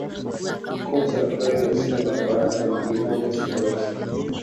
Kocha wa klabu ya Simba Mfaransa Didier Gomes Da Rosa